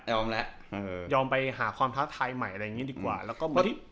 ยอมแล้วอืมยอมไปหาความทักทายใหม่อะไรอย่างเงี้ยดีกว่าแล้วก็